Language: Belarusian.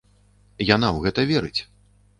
Яна ў гэта верыць.